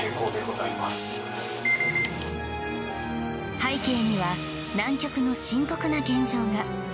背景には南極の深刻な現状が。